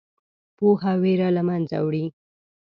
پوهه ویره له منځه وړي.